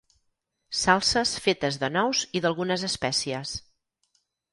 Salses fetes de nous i d'algunes espècies.